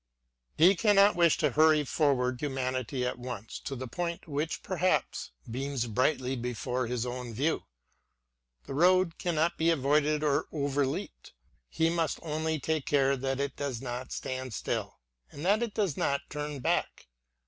:TKK IV. He cannot wish to hurry forward humanity at once to the point which perhaps beams brightly before his own view; — the road cannot be avoided or overleaped; — he must only take care that it does not stand still, and that it docs not turn back.